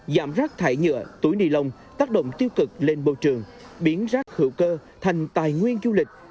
giảm rác thải nhựa túi ni lông tác động tiêu cực lên môi trường biến rác hữu cơ thành tài nguyên du lịch